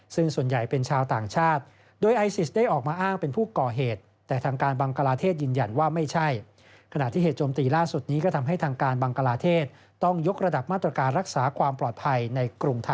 ซึ่งส่วนใหญ่เป็นชาวต่างชาติ